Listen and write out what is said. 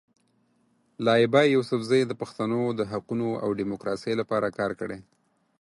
لایبا یوسفزۍ د پښتنو د حقونو او ډیموکراسۍ لپاره کار کړی.